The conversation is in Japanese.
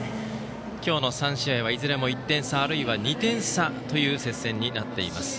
今日の３試合はいずれも１点差あるいは２点差という接戦になっています。